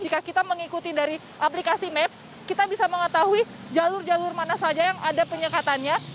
jika kita mengikuti dari aplikasi maps kita bisa mengetahui jalur jalur mana saja yang ada penyekatannya